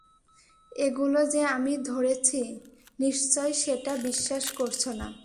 এগুলো যে আমি ধরেছি নিশ্চয়ই সেটা বিশ্বাস করছ না?